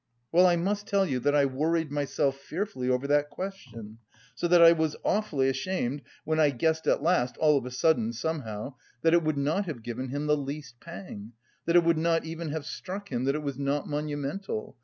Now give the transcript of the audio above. Well, I must tell you that I worried myself fearfully over that 'question' so that I was awfully ashamed when I guessed at last (all of a sudden, somehow) that it would not have given him the least pang, that it would not even have struck him that it was not monumental...